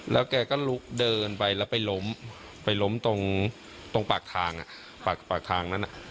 แล้วแกก็ลุกเดินไปแล้วไปล้มไปล้มตรงปากทางปากทางนั้น